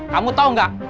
kamu tau gak